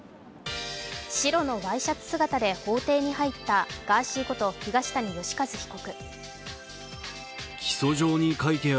白のワイシャツ姿で法廷に入ったガーシーこと、東谷義和被告。